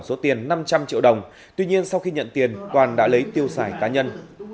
số tiền năm trăm linh triệu đồng tuy nhiên sau khi nhận tiền toàn đã lấy tiêu xài cá nhân